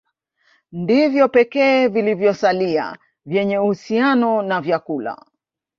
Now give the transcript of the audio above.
Ndivyo pekee vilivyosalia vyenye uhusiano na vyakula